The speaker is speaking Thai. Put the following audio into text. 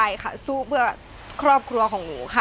อายุ๒๔ปีวันนี้บุ๋มนะคะ